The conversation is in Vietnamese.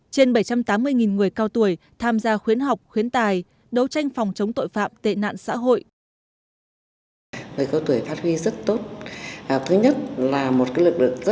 trên bảy trăm tám mươi người cao tuổi tham gia khuyến học khuyến tài đấu tranh phòng chống tội phạm tệ nạn xã hội